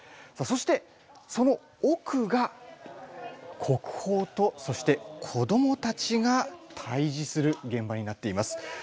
さあそしてそのおくが国宝とそして子どもたちが対じする現場になっています。